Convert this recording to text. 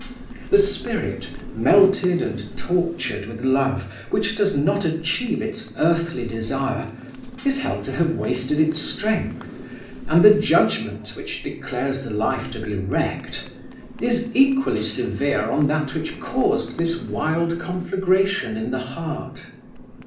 The spirit, melted and tortured with love, which does not achieve its earthly desire, is held to have wasted its strength, and the judgment which declares the life to be wrecked is equally severe on that which caused this wild conflagration in the heart.